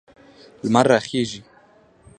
لمر راخیږي